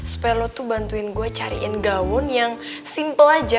spello tuh bantuin gue cariin gaun yang simple aja